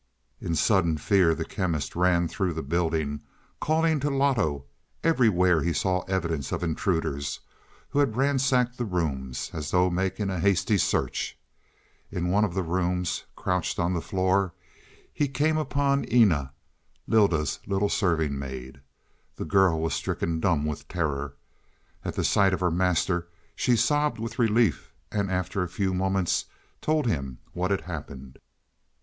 In sudden fear the Chemist ran through the building, calling to Loto. Everywhere he saw evidence of intruders, who had ransacked the rooms, as though making a hasty search. In one of the rooms, crouched on the floor, he came upon Eena, Lylda's little serving maid. The girl was stricken dumb with terror. At the sight of her master she sobbed with relief, and after a few moments told him what had happened.